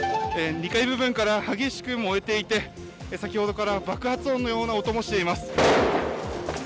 ２階部分から激しく燃えていて先ほどから爆発音のような音もしています。